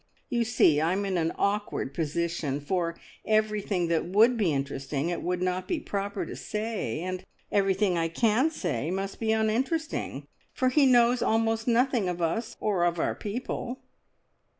You see I'm in an awkward position, for everything that would be interesting it would not be proper to say, and everything I can say must be uninteresting, for he knows almost nothing of us or of our people."